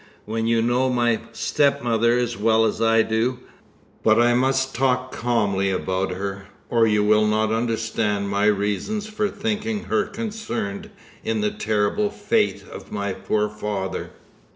When you know my stepmother as well as I do but I must talk calmly about her, or you will not understand my reasons for thinking her concerned in the terrible fate of my poor father."